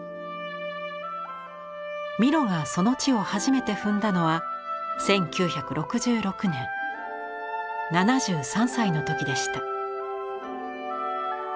ミロがその地を初めて踏んだのは１９６６年７３歳の時でした。